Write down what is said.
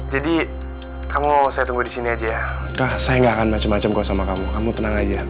jadi kamu saya tunggu disini aja ya kak saya gak akan macem macem kok sama kamu kamu tenang aja